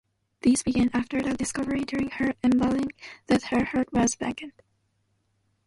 These began after the discovery during her embalming that her heart was blackened.